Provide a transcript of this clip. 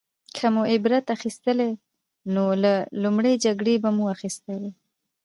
که موږ عبرت اخیستلی نو له لومړۍ جګړې به مو اخیستی وای